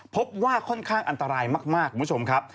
พบว่าค่อนข้างอันตรายมากคุณผู้ชมครับ